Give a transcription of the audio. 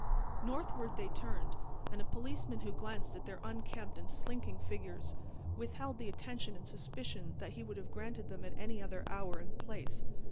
Northward they turned; and a policeman who glanced at their unkempt and slinking figures withheld the attention and suspicion that he would have granted them at any other hour and place.